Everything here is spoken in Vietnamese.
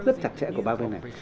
rất chặt chẽ của ba bên này